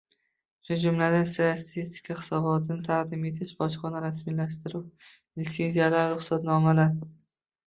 shu jumladan statistika hisobotini taqdim etish, bojxona rasmiylashtiruvi, litsenziyalar, ruxsatnomalar